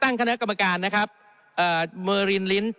ตั้งคณะกรรมการนะครับเมอรินลิ้น